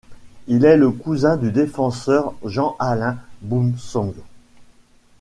Il est le cousin du défenseur Jean-Alain Boumsong.